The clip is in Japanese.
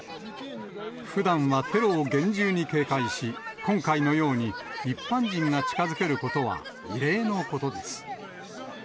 ふだんはテロを厳重に警戒し、今回のように一般人が近づけることは異例のことです。